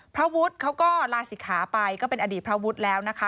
พระวุฒิเขาก็ลาศิกขาไปก็เป็นอดีตพระวุฒิแล้วนะคะ